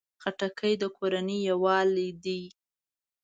خټکی د کورنۍ یووالي ده.